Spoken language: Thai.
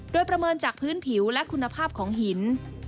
โดยประเมินจากพื้นผิวและคุณภาพของหิน